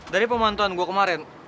dari pemantuan gue kemarin